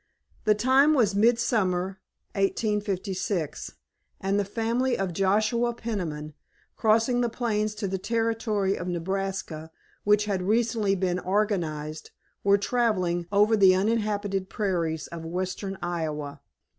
The time was midsummer, 1856, and the family of Joshua Peniman, crossing the plains to the Territory of Nebraska, which had recently been organized, were traveling over the uninhabited prairies of western Iowa.